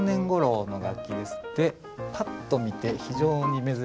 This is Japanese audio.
でパッと見て非常に珍しい。